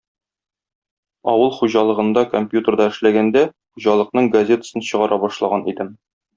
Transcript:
Авыл хуҗалыгында компьютерда эшләгәндә хуҗалыкның газетасын чыгара башлаган идем.